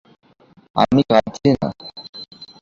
আমি কাদছি না।